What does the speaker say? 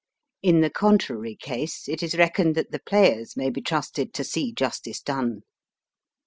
In the contrary case it is reckoned that the players may be trusted to see justice done.